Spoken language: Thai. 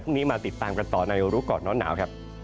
พรุ่งนี้มาติดตามกันต่อนายโอรุก่อนน้อนหนาว